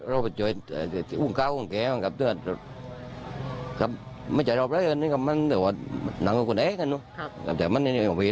แล้วทีนี้หน้านี้ก็ไปอ้างยิงกับหน้านี้ทีนี้